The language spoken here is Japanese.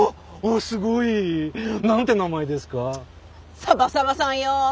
サバサバさんよ。